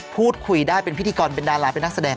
พูดคุยได้เป็นพิธีกรเป็นดาราเป็นนักแสดง